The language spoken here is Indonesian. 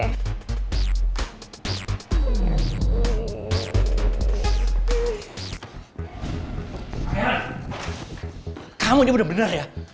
pangeran kamu ini udah bener ya